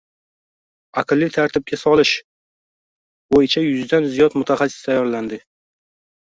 “Aqlli tartibga solish” bo‘yicha yuzdan ziyod mutaxassis tayyorlanding